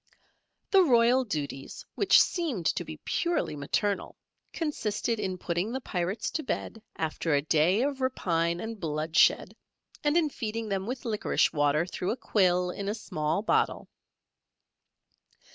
The royal duties, which seemed to be purely maternal, consisted in putting the Pirates to bed after a day of rapine and bloodshed, and in feeding them with liquorice water through a quill in a small bottle.